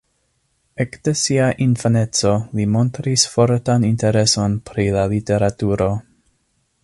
Ekde sia infaneco li montris fortan intereson pri la literaturo.